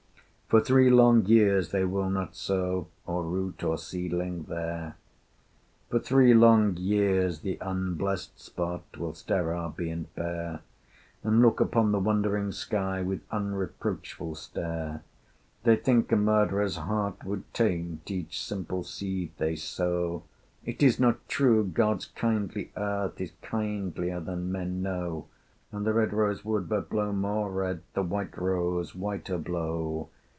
For three long years they will not sow Or root or seedling there: For three long years the unblessed spot Will sterile be and bare, And look upon the wondering sky With unreproachful stare. They think a murderer's heart would taint Each simple seed they sow. It is not true! God's kindly earth Is kindlier than men know, And the red rose would but blow more red, The white rose whiter blow.